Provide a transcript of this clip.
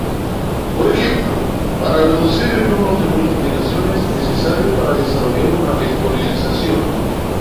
Por ejemplo, para reducir el número de multiplicaciones necesarios para desarrollar una exponenciación.